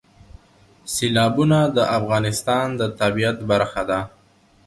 سیلابونه د افغانستان د طبیعت برخه ده.